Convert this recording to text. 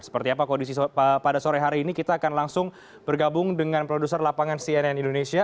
seperti apa kondisi pada sore hari ini kita akan langsung bergabung dengan produser lapangan cnn indonesia